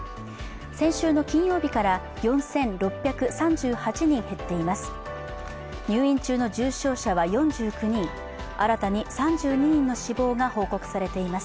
先週の金曜日から４６３８人減っています。